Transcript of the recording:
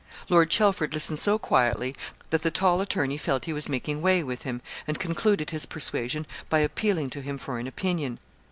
Lord Chelford listened so quietly that the tall attorney felt he was making way with him, and concluded his persuasion by appealing to him for an opinion.